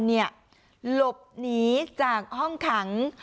หลบหนีจากห้องขัง